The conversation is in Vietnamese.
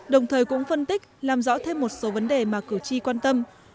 đồng thời cũng phân tích làm rõ thêm một số vấn đề mà cử tri quan tâm